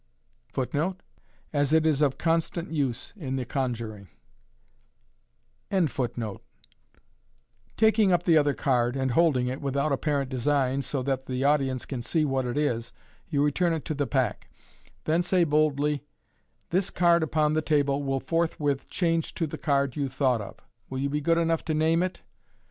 * Taking up the other card, and holding it, without apparent design, so that the audience can see what it is, you return it to the pack. Then say boldly, " This card upon the table will forthwith change to the card you thought of. Will you be good enough to name it